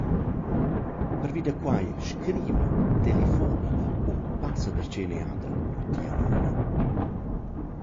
Pervi da quai, scriva, telefona o passa darcheu üna jada pro tia nona.